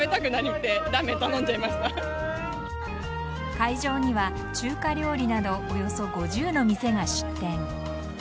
会場には中華料理などおよそ５０の店が出店。